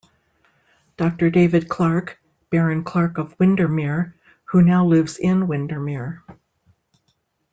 Doctor David Clark, Baron Clark of Windermere, who now lives in Windermere.